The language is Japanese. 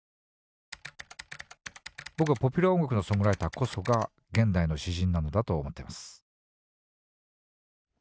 僕はポピュラー音楽のソングライターこそが現代の詩人なんだと思っています